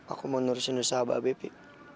aku mau nurusin usaha mbak bepi